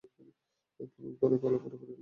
পূরণ হবে কলাপাড়া পৌর এলাকার নাগরিকদের দাবি।